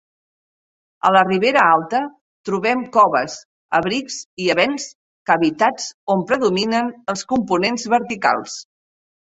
A la Ribera Alta trobem coves, abrics i avencs, cavitats on predominen els components verticals.